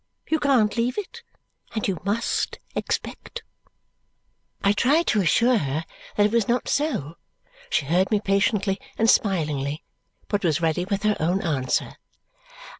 You CAN'T leave it. And you MUST expect." I tried to assure her that this was not so. She heard me patiently and smilingly, but was ready with her own answer.